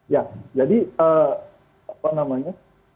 ya jadi apa namanya